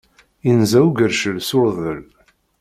Inza ugercal s urḍel.